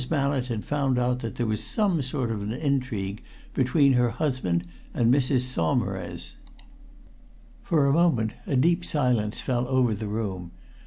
Mallett had found out that there was some sort of an intrigue between her husband and Mrs. Saumarez!" For a moment a deep silence fell over the room.